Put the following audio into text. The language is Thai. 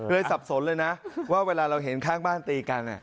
สับสนเลยนะว่าเวลาเราเห็นข้างบ้านตีกัน